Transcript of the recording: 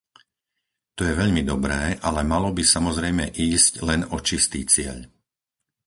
To je veľmi dobré, ale malo by samozrejme ísť len o čistý cieľ.